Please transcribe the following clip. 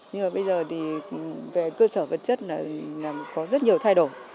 nhưng mà bây giờ thì về cơ sở vật chất là có rất nhiều thay đổi